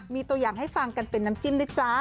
มีตัวอย่างให้ฟังกันเป็นน้ำจิ้มด้วยจ๊ะ